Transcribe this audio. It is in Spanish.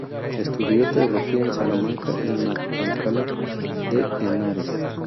Estudió teología en Salamanca y en Alcalá de Henares.